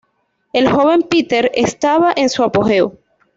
El joven Peter estaba en su apogeo.